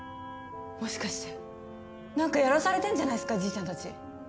もしかしてなんかやらされてんじゃないすかじいちゃんたち。